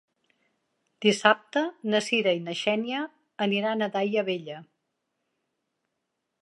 Dissabte na Cira i na Xènia aniran a Daia Vella.